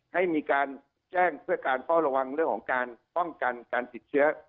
ให้มีการแจ้งเพื่อการเฝ้าระวังเรื่องของการป้องกันการติดเชื้อ